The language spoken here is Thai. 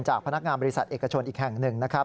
พนักงานบริษัทเอกชนอีกแห่งหนึ่งนะครับ